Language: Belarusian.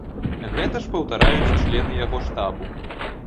Гэта ж паўтараюць члены яго штабу.